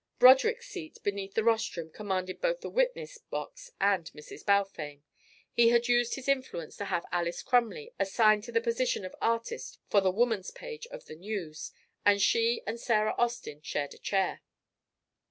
Broderick's seat beneath the rostrum commanded both the witness box and Mrs. Balfame. He had used his influence to have Alys Crumley assigned to the position of artist for the Woman's Page of the News, and she and Sarah Austin shared a chair.